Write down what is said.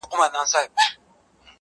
پاڅېدلی خروښېدلی په زمان کي،